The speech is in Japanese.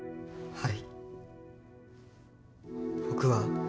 はい。